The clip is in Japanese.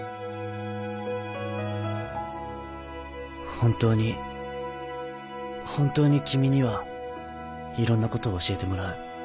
本当に本当に君にはいろんなことを教えてもらう。